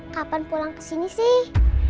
kapan pulang kesini sih